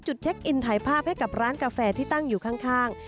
เช็คอินถ่ายภาพให้กับร้านกาแฟที่ตั้งอยู่ข้าง